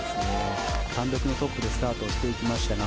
単独のトップでスタートしていきましたが